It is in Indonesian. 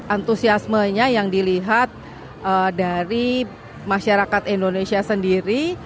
antusiasmenya yang dilihat dari masyarakat indonesia sendiri